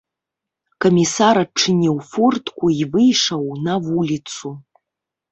Камісар адчыніў фортку і выйшаў на вуліцу.